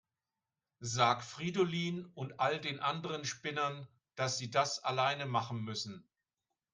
Sag Fridolin und all den anderen Spinnern, dass sie das alleine machen müssen.